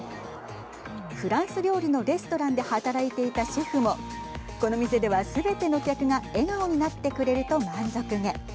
フランス料理のレストランで働いていたシェフもこの店ではすべての客が笑顔になってくれると満足げ。